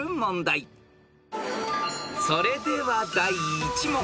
［それでは第１問］